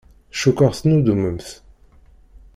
Cukkeɣ tettnuddumemt.